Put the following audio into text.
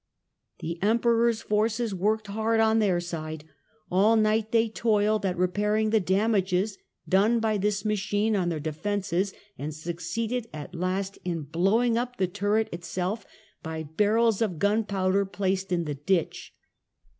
The Emperor's forces worked hard on their side. All night they toiled at repairing the damages made by this machine on their defences, and succeeded at last in blowing up the turret itself by barrels of gunpowder placed in the ditch.